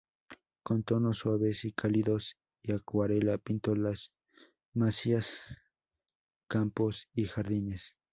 Con tonos suaves y cálidos y acuarela pintó las masías, campos y jardines.